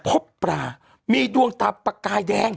พบปลามีดวงตาประกายแดง